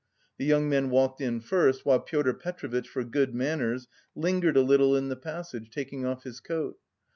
The young men walked in first, while Pyotr Petrovitch, for good manners, lingered a little in the passage, taking off his coat.